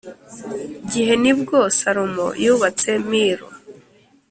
gihe ni bwo Salomo yubatse Milo